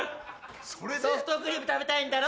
ソフトクリーム食べたいんだろ？